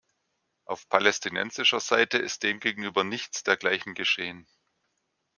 Auf palästinensischer Seite ist demgegenüber nichts dergleichen geschehen.